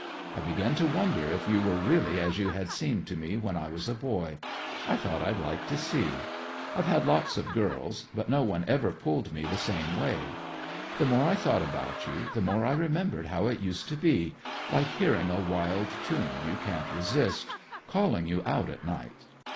I began to wonder if you were really as you had seemed to me when I was a boy. I thought I'd like to see. I've had lots of girls, but no one ever pulled me the same way. The more I thought about you, the more I remembered how it used to be like hearing a wild tune you can't resist, calling you out at night.